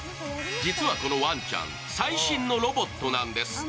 実はこのワンちゃん、最新のロボットなんです。